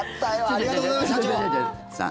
ありがとうございました、社長！